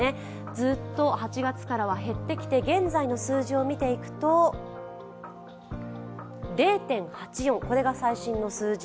ずっと８月からは減ってきて現在の数字をみていくと０．８４が最新の数字。